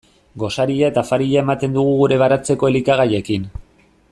Gosaria eta afaria ematen dugu gure baratzeko elikagaiekin.